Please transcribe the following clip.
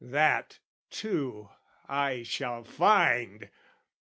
That, too, I shall find!